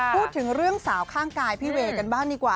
พูดถึงเรื่องสาวข้างกายพี่เวย์กันบ้างดีกว่า